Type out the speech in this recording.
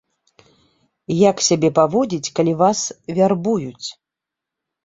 Як сябе паводзіць, калі вас вярбуюць?